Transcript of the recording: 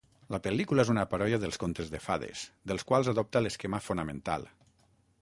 La pel·lícula és una paròdia dels contes de fades, dels quals adopta l'esquema fonamental.